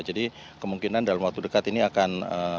jadi kemungkinan dalam waktu dekat ini akan